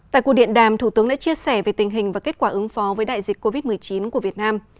tại cuộc điện đàm thủ tướng đã chia sẻ về tình hình và kết quả ứng phó với đại dịch covid một mươi chín của việt nam